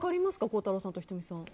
孝太郎さんと仁美さん。